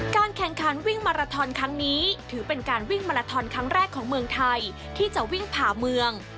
แข่งขันวิ่งมาราทอนครั้งนี้ถือเป็นการวิ่งมาลาทอนครั้งแรกของเมืองไทยที่จะวิ่งผ่าเมือง